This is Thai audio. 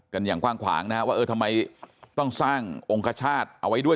อย่างกว้างขวางนะฮะว่าเออทำไมต้องสร้างองคชาติเอาไว้ด้วย